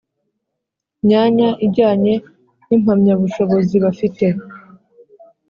Myanya ijyanye n impamyabushobozi bafite